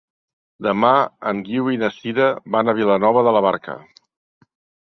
Demà en Guiu i na Sira van a Vilanova de la Barca.